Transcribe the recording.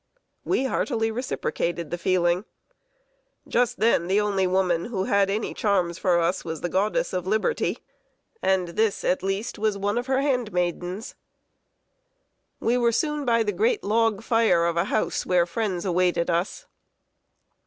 We heartily reciprocated the feeling. Just then the only woman who had any charms for us was the Goddess of Liberty; and this, at least, was one of her handmaidens. We were soon by the great log fire of a house where friends awaited us.